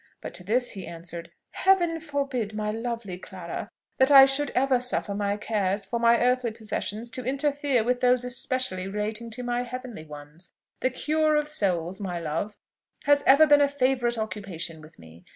But to this he answered, "Heaven forbid, my lovely Clara, that I should ever suffer my cares for my earthly possessions to interfere with those especially relating to my heavenly ones! The cure of souls, my love, has ever been a favourite occupation with me.